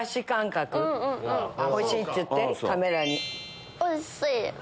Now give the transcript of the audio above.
おいしい！って言ってカメラに。